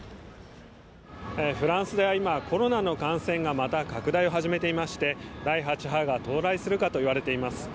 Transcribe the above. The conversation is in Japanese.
フランスでは今コロナの感染がまた拡大を始めていまして第８波が到来するかといわれています。